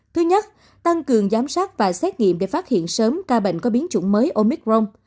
thứ nhất tăng cường giám sát và xét nghiệm để phát hiện sớm ca bệnh có biến chủng mới omicron